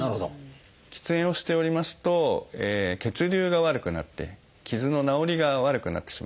喫煙をしておりますと血流が悪くなって傷の治りが悪くなってしまうんですね。